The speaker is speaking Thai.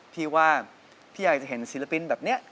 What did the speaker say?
พี่ว่าพี่อยากจะเห็นศิลปินแบบนี้